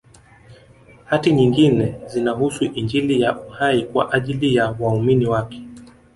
Hati nyingine zinahusu Injili ya Uhai kwa ajili ya waumini wake